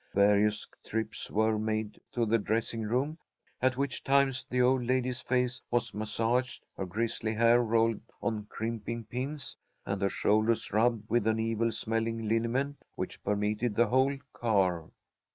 Various trips were made to the dressing room, at which times the old lady's face was massaged, her grizzly hair rolled on crimping pins, and her shoulders rubbed with an evil smelling liniment which permeated the whole car.